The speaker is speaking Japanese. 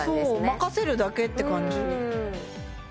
そう任せるだけって感じ